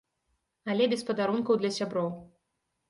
Але без падарункаў для сяброў.